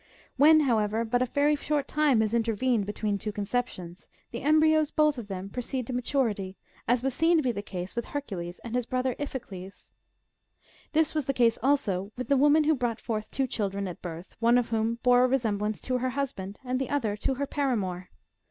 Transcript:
When, however, but a very short time has intervened between two conceptions, the embryos both of them proceed to maturity ; as was seen to be the case with Hercules and his brother Iphicles.^^ This was the case also with the woman who brought forth two children at a birth, one of whom bore a resemblance to her husband, and the other to her paramour.